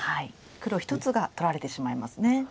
黒１つが取られてしまいますね。